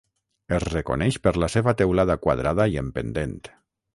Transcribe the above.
Es reconeix per la seva teulada quadrada i en pendent.